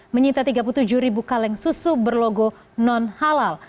menyita tiga puluh tujuh ribu kaleng susu berlogo non halal